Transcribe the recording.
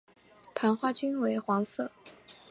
盘花均为黄色。